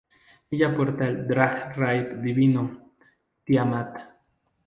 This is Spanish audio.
Ella porta el Drag-Ride Divino "Tiamat".